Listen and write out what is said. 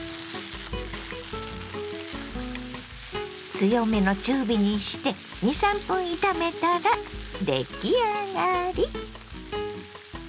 強めの中火にして２３分炒めたら出来上がり。